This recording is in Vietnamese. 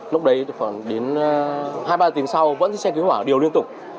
lúc đấy khoảng đến hai ba tiếng sau vẫn xe cứu hỏa đều liên tục